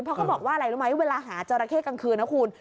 เพราะเขาบอกว่าอะไรรู้ไหมเวลาหาจราเข้กลางคืนนะคุณ